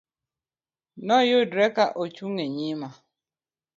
Noyudre ka Ochung' e nyima.